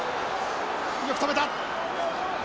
よく止めた。